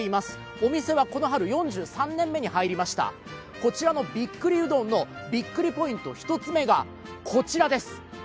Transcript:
お店はこの春、４３年目に入りましたこちらのびっくりうどんの１つ目のポイントはこちらです。